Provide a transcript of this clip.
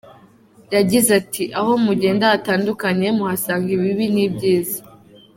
Yagize ati “Aho mugenda hatandukanye muhasanga ibibi n’ibyiza.